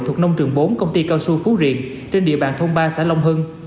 thuộc nông trường bốn công ty cao su phú riêng trên địa bàn thôn ba xã long hưng